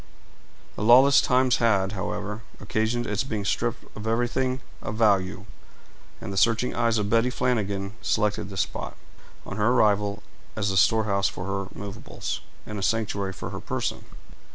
The lawless times had, however, occasioned its being stripped of everything of value; and the searching eyes of Betty Flanagan selected this spot, on her arrival, as the storehouse for her movables and a sanctuary for her person.